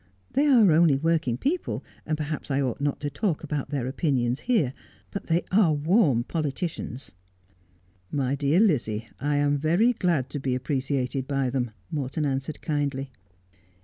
They are only working people, and perhaps I ought not to talk about their opinions here. But they are warm politicians.' ' My dear Lizzie, I am very glad to be appreciated by them,' Morton answered kindly.